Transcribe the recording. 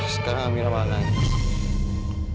sekarang amira malah nih